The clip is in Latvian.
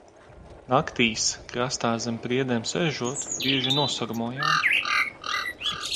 Naktīs krastā, zem priedēm sēžot, bieži nosarmojām.